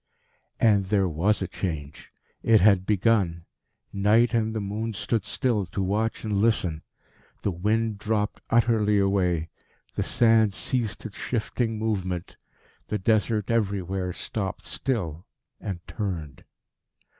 And there was a change. It had begun. Night and the moon stood still to watch and listen. The wind dropped utterly away. The sand ceased its shifting movement. The Desert everywhere stopped still, and turned.